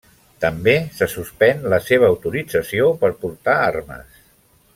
També se suspèn la seva autorització per portar armes.